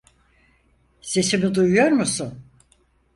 Sesimi duyuyor musun?